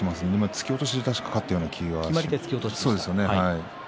突き落としで確か勝った気がします。